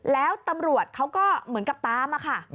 แล้วตำรวจเขาก็เหมือนกับตามอะค่ะ